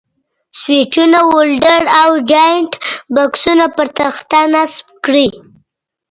سویچونه، ولډر او جاینټ بکسونه پر تخته نصب کړئ.